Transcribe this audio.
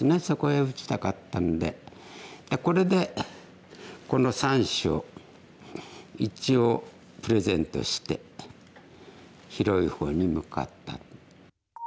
そこへ打ちたかったんでこれでこの３子を一応プレゼントして広い方に向かった。